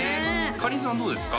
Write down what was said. かりんさんはどうですか？